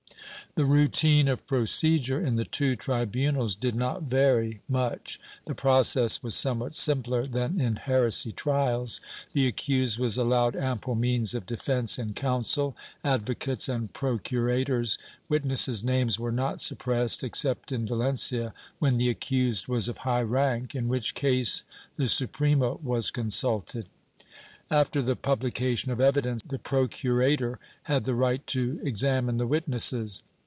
The routine of procedure in the two tribunals did not vary much; the process was somewhat simpler than in heresy trials, the accused was allowed ample means of defence in counsel, advocates and procurators, witnesses' names were not suppressed, except in Valencia when the accused was of high rank, in which case the Suprema was consulted. After the publication of evidence, the procurator had the right to exam ine the witnesses.